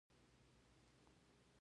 ماموریت ودراوه.